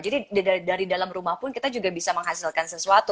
jadi dari dalam rumah pun kita juga bisa menghasilkan sesuatu